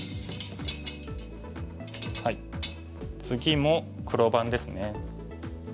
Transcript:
次も黒番ですね。